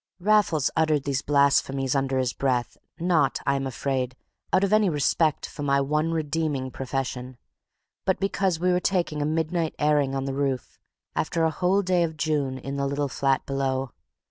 Raffles uttered these blasphemies under his breath, not, I am afraid, out of any respect for my one redeeming profession, but because we were taking a midnight airing on the roof, after a whole day of June in the little flat below.